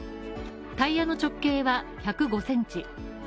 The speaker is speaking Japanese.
タイヤの直径は１０５センチ